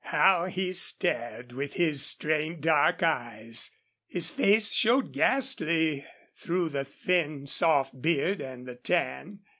How he stared with his strained, dark eyes! His face showed ghastly through the thin, soft beard and the tan.